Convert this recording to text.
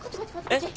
えっ？